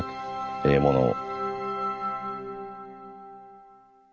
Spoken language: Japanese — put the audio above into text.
ええものを。